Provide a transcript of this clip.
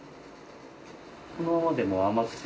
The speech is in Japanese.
このままでも甘くて。